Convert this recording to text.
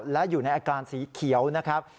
และอยู่ในอาการสีเขียวนะครับ